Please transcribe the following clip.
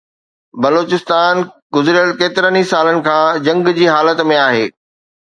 بلوچستان گذريل ڪيترن ئي سالن کان جنگ جي حالت ۾ آهي